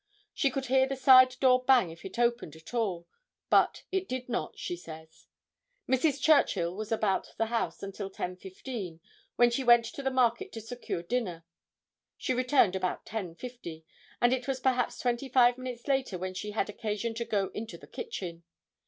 She could hear the side door bang if it opened at all, but it did not, she says. Mrs. Churchill was about the house until 10:15, when she went to the market to secure dinner. She returned about 10:50, and it was perhaps twenty five minutes later when she had occasion to go into the kitchen.